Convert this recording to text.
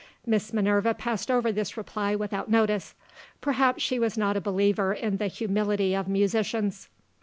Miss Minerva passed over this reply without notice. Perhaps she was not a believer in the humility of musicians.